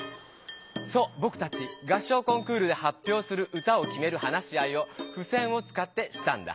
そうぼくたち合唱コンクールではっぴょうする歌をきめる話し合いをふせんをつかってしたんだ。